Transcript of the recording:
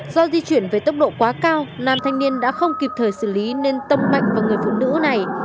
do di chuyển về tốc độ quá cao nam thanh niên đã không kịp thời xử lý nên tâm mạnh vào người phụ nữ này